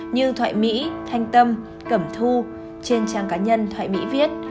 như thoại mỹ thanh tâm cẩm thu trên trang cá nhân thoại mỹ viết